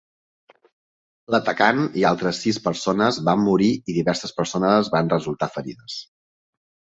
L'atacant i altres sis persones van morir i diverses persones van resultar ferides.